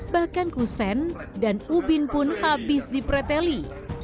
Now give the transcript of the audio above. bahkan kusen dan ubin pun habis dipreteli